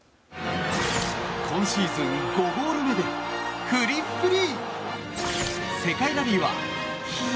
今シーズン５ゴール目でフリッフリ！